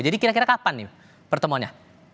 jadi kira kira kapan nih pertemunya